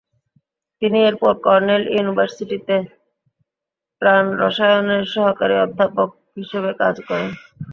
তিনি এরপর কর্নেল ইউনিভার্সিটিতে প্রাণরসায়নের সহকারী অধ্যাপক হিসেবে কাজ করেন।